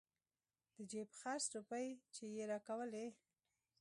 د جيب خرڅ روپۍ چې يې راکولې.